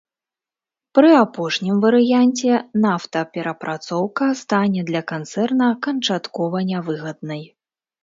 Пры апошнім варыянце нафтаперапрацоўка стане для канцэрна канчаткова нявыгаднай.